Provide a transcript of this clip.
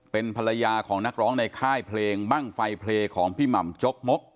เป็นภรรยาของนักร้องในค่ายเพลงบ้างไฟเพลย์ของพี่หม่ำจกมก